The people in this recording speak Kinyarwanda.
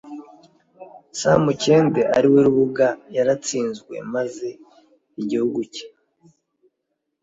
samukende, ari we rubuga, yaratsinzwe maze igihugu cye